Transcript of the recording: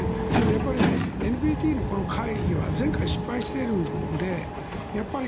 やっぱりＮＰＴの会議は前回失敗しているのでやっぱり